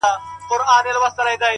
ه زه تر دې کلامه پوري پاته نه سوم ـ